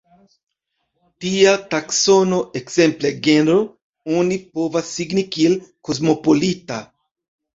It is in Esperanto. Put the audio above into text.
Tia taksono, ekzemple genro, oni povas signi kiel kosmopolita.